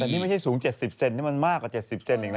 แต่นี่ไม่ใช่สูง๗๐เซนติเมตรมันมากกว่า๗๐เซนติเมตรเองนะ